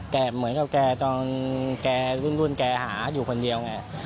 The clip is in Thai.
เหมือนกับแกตอนแกรุ่นแกหาอยู่คนเดียวไง